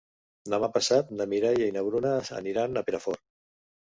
Demà passat na Mireia i na Bruna aniran a Perafort.